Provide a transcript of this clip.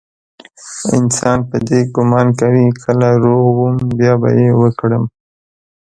انسان په دې ګمان وي چې کله روغ وم بيا به يې وکړم.